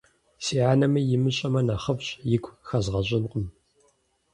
Си анэми имыщӀэмэ нэхъыфӀщ, игу хэзгъэщӀынкъым.